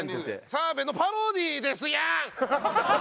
澤部のパロディーですやん！